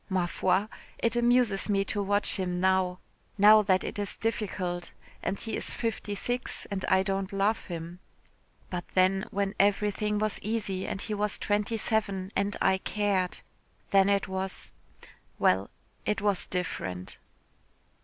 Ma foi, it amuses me to watch him now now that it is difficult, and he is fifty six and I don't love him but then, when everything was easy and he was twenty seven and I cared then it was well, it was different."